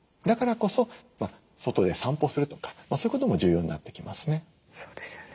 だからこそ外で散歩するとかそういうことも重要になってきますね。